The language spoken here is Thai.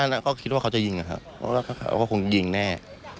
นั่นนะก็คิดว่าเขาจะยิงครับเพราะเขาก็คงยิงแน่